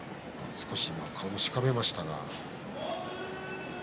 少し顔をしかめましたが。